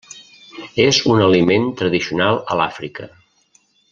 És un aliment tradicional a l'Àfrica.